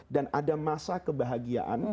dan ada masa kebahagiaan